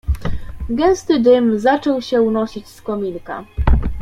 "Gęsty dym zaczął się unosić z kominka."